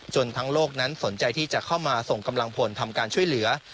ทั้งโลกนั้นสนใจที่จะเข้ามาส่งกำลังพลทำการช่วยเหลือ